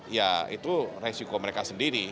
ya itu resiko mereka sendiri